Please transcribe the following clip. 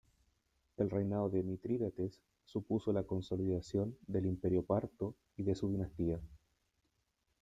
El reinado de Mitrídates supuso la consolidación del imperio parto y de su dinastía.